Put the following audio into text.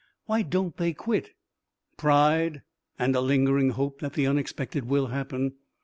Why don't they quit!" "Pride, and a lingering hope that the unexpected will happen.